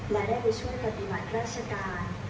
และได้ไปช่วยปฏิบัติราชการ